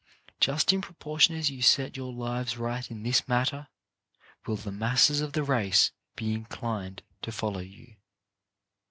Just in proportion as you set your lives right in this matter, will the masses of the race be in clined to follow you.